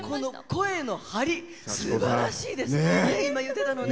声の張り、すばらしいです。